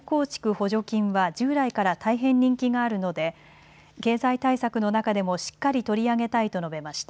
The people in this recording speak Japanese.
補助金は従来から大変人気があるので経済対策の中でもしっかり取り上げたいと述べました。